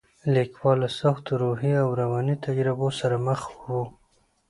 لیکوال له سختو روحي او رواني تجربو سره مخ و.